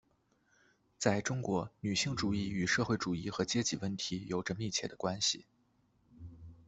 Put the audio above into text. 在中国女性主义与社会主义和阶级问题有着密切的关系。